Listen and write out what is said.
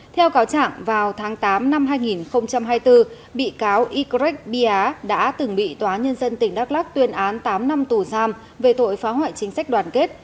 theo cáo trạng vào tháng tám năm hai nghìn hai mươi bốn bị cáo ycret bia đã từng bị tòa nhân dân tỉnh đắk lắc tuyên án tám năm tù giam về tội phá hoại chính sách đoàn kết